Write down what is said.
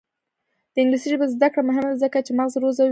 د انګلیسي ژبې زده کړه مهمه ده ځکه چې مغز روزي.